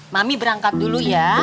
mami berangkat dulu ya